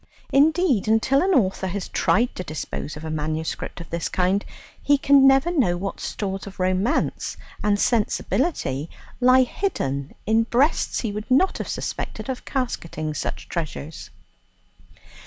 Indeed, until an author has tried to dispose of a manuscript of this kind, he can never know what stores of romance and sensibility lie hidden in breasts he would not have suspected of casketing such treasures.